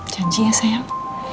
janji ya sayang